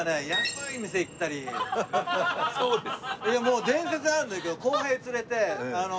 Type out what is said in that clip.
そうです。